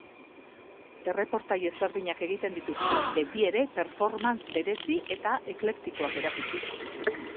Erreportai ezberdinak egiten dituzte, beti ere performance berezi eta eklektikoak erakutsiz.